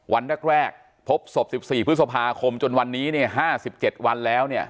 วันแรกแรกพบศพสิบสี่พฤษภาคมจนวันนี้เนี้ยห้าสิบเจ็ดวันแล้วเนี้ย